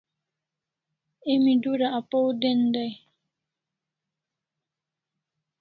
Emi dura apaw den dai